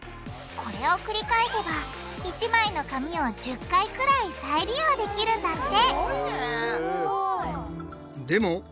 これを繰り返せば１枚の紙を１０回くらい再利用できるんだってすごいね！